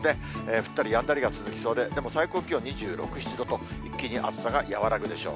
降ったりやんだりが続きそうで、でも最高気温２６、７度と、一気に暑さが和らぐでしょう。